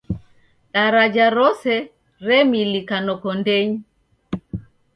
Daraja rose remilika noko ndenyi.